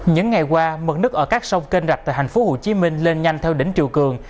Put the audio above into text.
những ngày qua mực nước ở các sông kênh rạch tại hành phố hồ chí minh lên nhanh theo đỉnh triều cường